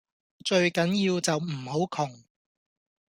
最緊要就唔好窮